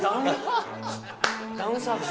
ダウンサービス